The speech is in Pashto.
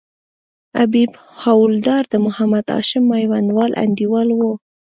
حبیب حوالدار د محمد هاشم میوندوال انډیوال وو.